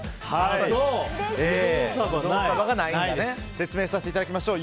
説明させていただきましょう。